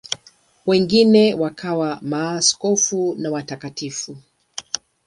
Wengine wakawa maaskofu na watakatifu.